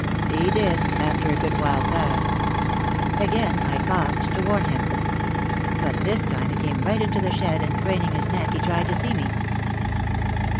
He did, after a good while passed. Again I coughed to warn him. But this time he came right into the shed and craning his neck he tried to see.